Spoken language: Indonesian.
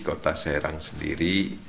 kota serang sendiri